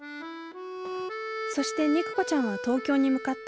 そして肉子ちゃんは東京に向かった。